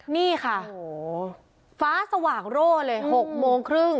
นี่ค่ะฟ้าสว่างโร่เลย๖โมงครึ่ง